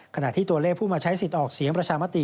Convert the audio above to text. ขณะที่ตัวเลขผู้มาใช้สิทธิ์ออกเสียงประชามติ